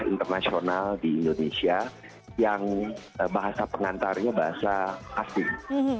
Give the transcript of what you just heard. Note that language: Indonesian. internasional di indonesia yang bahasa pengantarnya bahasa asing